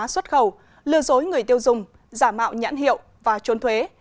lừa dối người tiêu dùng giả mạo nhãn hiệu và trốn thuế